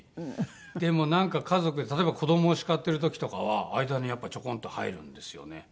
でもなんか家族例えば子どもを叱ってる時とかは間にやっぱちょこんと入るんですよね。